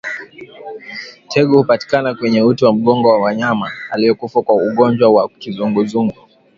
Tegu hupatikana kwenye uti wa mgongo wa mnyama aliyekufa kwa ugonjwa wa kizunguzungu